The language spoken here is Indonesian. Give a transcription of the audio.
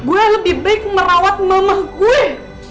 gue lebih baik merawat mamah gue